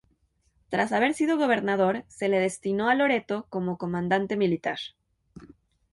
Tras haber sido gobernador, se le destinó a Loreto como Comandante Militar.